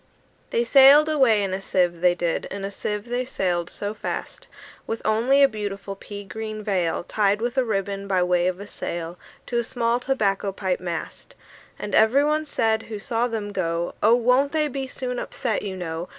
II. They sailed away in a sieve, they did, In a sieve they sailed so fast, With only a beautiful pea green veil Tied with a ribbon, by way of a sail, To a small tobacco pipe mast. And every one said who saw them go, "Oh! won't they be soon upset, you know?